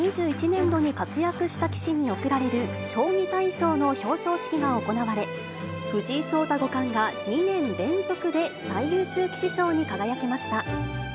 ２０２１年度に活躍した棋士に贈られる将棋大賞の表彰式が行われ、藤井聡太五冠が２年連続で最優秀棋士賞に輝きました。